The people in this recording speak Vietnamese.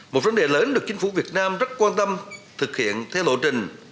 một vấn đề lớn được chính phủ việt nam rất quan tâm thực hiện theo lộ trình